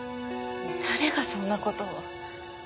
誰がそんな事を？